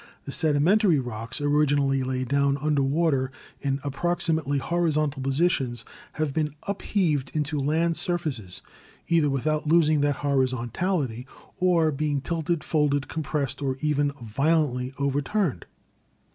The sedimentary rocks, origi nally laid down under water in approximately horizontal positions, have been upheaved into land surfaces, either without losing that horizontally, or being tilted, folded, compressed, or even violently overturned.